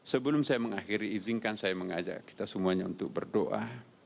sebelum saya mengakhiri izinkan saya mengajak kita semuanya untuk berdoa